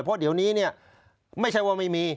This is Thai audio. เพราะเดี๋ยวนี้เนี่ยไม่ใช่ว่าไม่มี